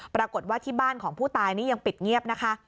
ปรากฏว่าที่บ้านของผู้ตายนี่ยังปิดเงียบนะคะ